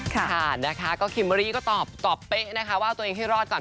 ค่ะนะคะก็คิมเบอร์รี่ก็ตอบเป๊ะนะคะว่าตัวเองให้รอดก่อน